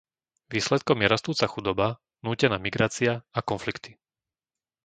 Výsledkom je rastúca chudoba, nútená migrácia a konflikty.